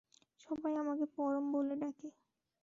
সবাই আমাকে পরম বলে ডাকে।